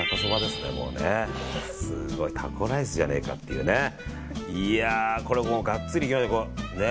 すごい、タコライスじゃねえかっていうね。